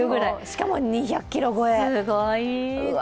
しかも２００ｋｇ超え、うわー。